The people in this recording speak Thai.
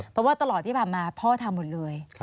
เพราะว่าตลอดที่ผ่านมาพ่อทำหมดเลย